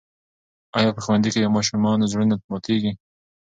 آیا په ښوونځي کې د ماشومانو زړونه ماتېږي؟